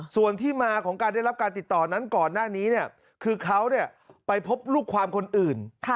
ส่วนที่มาของการได้รับการติดต่อนั้นก่อนหน้านี้คือเขาไปพบลูกความคนอื่น